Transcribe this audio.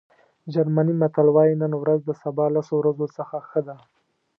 جرمني متل وایي نن ورځ د سبا لسو ورځو څخه ښه ده.